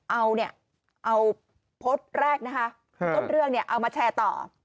เอาโพสต์แรกนะฮะต้นเรื่องเอามาแชร์ต่อ